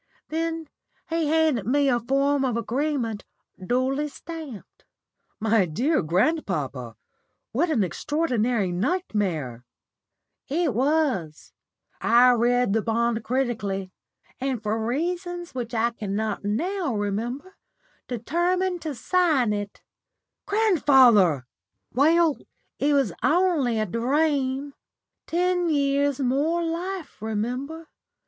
Then he handed me a form of agreement duly stamped." "My dear grandpapa, what an extraordinary nightmare!" "It was. I read the bond critically, and, for reasons which I cannot now remember, determined to sign it." "Grandfather!" "Well, it was only a dream. Ten years more life, remember.